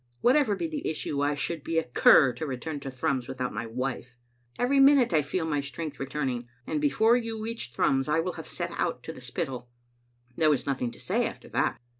Whatever be the issue, I should be a cur to return to Thrums without my wife. Every minute I feel my strength returning, and before yon reach Thrums I will have set outtotheSpittal." There was nothing to say after that.